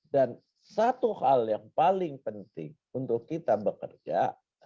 dan satu hal yang paling penting untuk kita bekerja